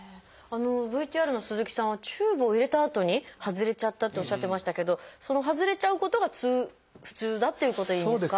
ＶＴＲの鈴木さんはチューブを入れたあとに外れちゃったっておっしゃってましたけどその外れちゃうことが普通だっていうことでいいんですか？